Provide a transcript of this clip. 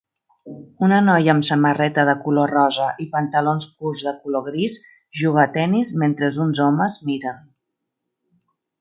Una noia amb samarreta de color rosa i pantalons curts de color gris juga a tennis mentre uns homes miren.